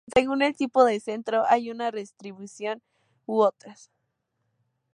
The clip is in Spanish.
Según el tipo de centro hay unas restricciones u otras.